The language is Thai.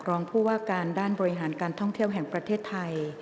รองผู้ว่าการด้านบริหารการท่องเที่ยวแห่งประเทศไทย